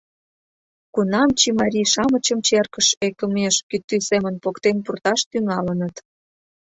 Кунам чимарий-шамычым черкыш ӧкымеш кӱтӱ семын поктен пурташ тӱҥалыныт».